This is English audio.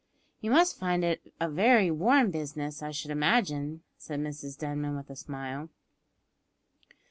"You must find it a very warm business, I should imagine," said Mrs Denman, with a smile.